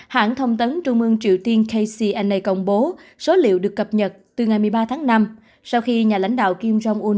hãng thông tấn trung ương triều tiên kcna công bố số liệu được cập nhật từ ngày một mươi ba tháng năm sau khi nhà lãnh đạo kim jong un